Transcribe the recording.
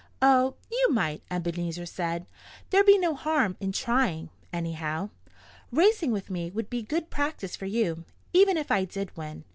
"Oh, you might," Ebenezer said. "There'd be no harm in trying, anyhow. Racing with me would be good practice for you, even if I did win.